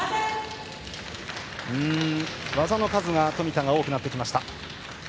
技の数は冨田が多くなってきました。